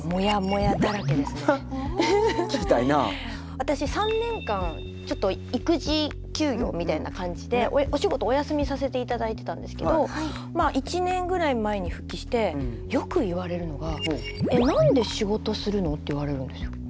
私３年間ちょっと育児休業みたいな感じでお仕事お休みさせていただいてたんですけどまあ１年ぐらい前に復帰してよく言われるのが「なんで仕事するの？」って言われるんですよ。